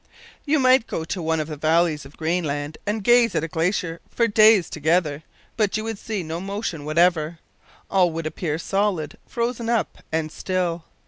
You might go to one of the valleys of Greenland and gaze at a glacier for days together, but you would see no motion whatever. All would appear solid, frozen up, and still.